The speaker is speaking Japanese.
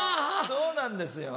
そうなんですよ。